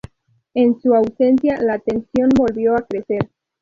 En su ausencia, la tensión volvió a crecer.